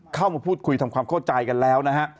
เข้ามาพูดคุยทำความเข้าใจกันแล้วนะฮะ